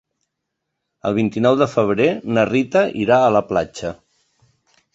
El vint-i-nou de febrer na Rita irà a la platja.